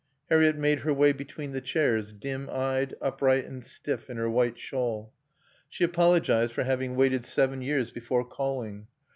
Harriett made her way between the chairs, dim eyed, upright, and stiff in her white shawl. She apologized for having waited seven years before calling....